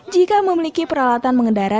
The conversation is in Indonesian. jika memiliki peralatan mengendara